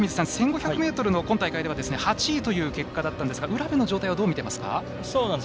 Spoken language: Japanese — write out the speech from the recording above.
１５００ｍの今大会では８位という結果でしたが卜部の状態はどう見ていますか？